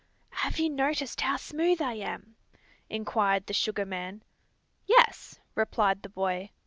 "Have you noticed how smooth I am?" inquired the sugar man. "Yes," replied the boy.